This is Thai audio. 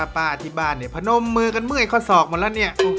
ป้าอธิบายเนี่ยพนมมือกันเมื่อยเขาสอกหมดแล้วเนี่ย